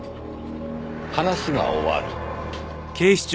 話が終わる。